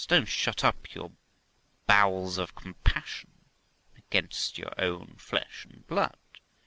Don't shut up your bowels of compassion against your own flesh and blood.